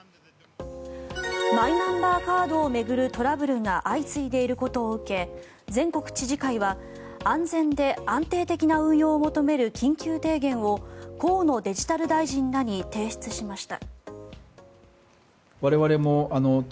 マイナンバーカードを巡るトラブルが相次いでいることを受け全国知事会は安全で安定的な運用を求める緊急提言を河野デジタル大臣らに提出しました。